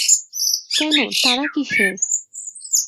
কেন, তাড়া কিসের?